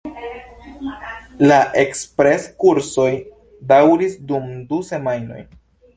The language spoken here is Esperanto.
La ekspres-kursoj daŭris dum du semajnoj.